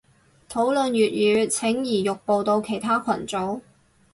討論粵語請移玉步到其他群組